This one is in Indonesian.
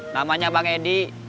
namanya bang edi